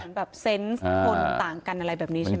แบบเซนต์คนต่างกันอะไรแบบนี้ใช่ไหม